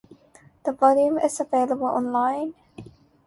The volume is available online.